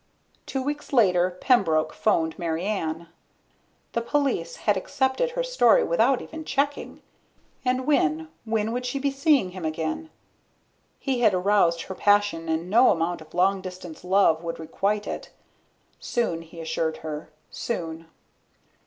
Two weeks later Pembroke phoned Mary Ann. The police had accepted her story without even checking. And when, when would she be seeing him again? He had aroused her passion and no amount of long distance love could requite it. Soon, he assured her, soon.